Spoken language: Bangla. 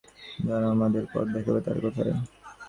যারা আমাদের পথ দেখাবে তারা কোথায়?